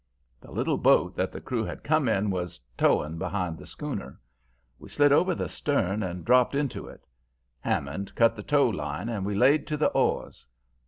"The little boat that the crew had come in was towing behind the schooner. We slid over the stern and dropped into it. Hammond cut the towline and we laid to the oars.